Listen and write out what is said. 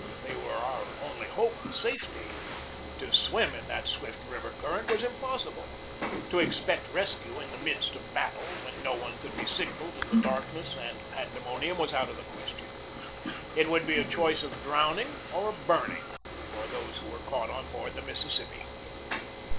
They were our only hope of safety. To swim in that swift river current was impossible. To expect rescue in the midst of battle, when no one could be signalled in the dark ness and pandemonium, was out of the question. It would be a choice of drowning or of burning for those who were caught on board the Mississippi.